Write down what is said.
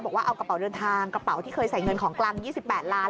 บอกว่าเอากระเป๋าเดินทางกระเป๋าที่เคยใส่เงินของกลาง๒๘ล้าน